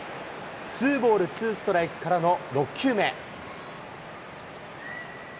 ツーボールツーストライクからの６球目。